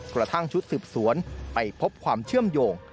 กระทั่งชุดสืบสวนไปพบความเชื่อมโยง